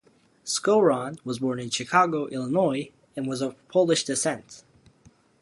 Skowron was born in Chicago, Illinois, and was of Polish descent.